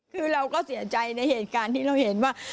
คือเราก็เสียใจในเหตุการณ์ที่เราเห็นว่า